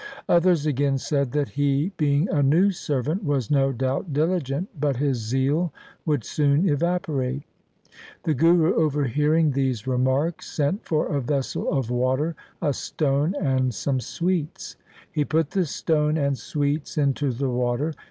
Others again said that he being a new servant was no doubt diligent, but his zeal would soon evaporate. The Guru overhearing these remarks sent for a vessel of water, a stone, and some sweets. He put the stone and sweets into the water.